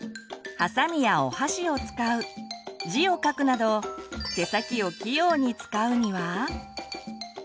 はさみやお箸を使う字を書くなど手先を器用に使うには？